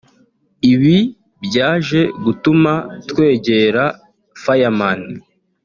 Ibi byaje gutuma twegera Fireman